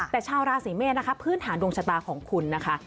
แต่ชาวราศีเมษนะคะพื้นฐานดวงชะตาของคุณนะคะ